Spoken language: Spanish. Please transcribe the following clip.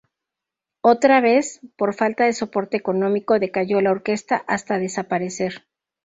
Otra vez, por falta de soporte económico decayó la orquesta hasta desaparecer.